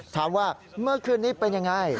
ถามว่าเมื่อคืนนี้เป็นยังไง